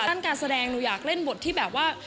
การแสดงหนูอยากเล่นบทที่แบบว่า